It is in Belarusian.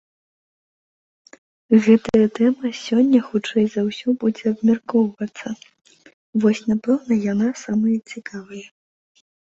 Гэтая тэма сёння, хутчэй за ўсё, будзе абмяркоўвацца, і вось, напэўна, яна самая цікавая.